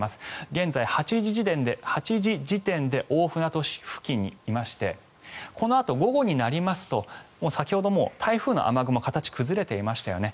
現在、８時時点で大船渡市付近にいましてこのあと、午後になりますと先ほどもう台風の雨雲は形が崩れていましたよね。